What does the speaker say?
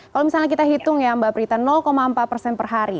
kalau misalnya kita hitung ya mbak prita empat perhari